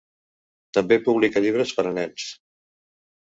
També publica llibres per a nens.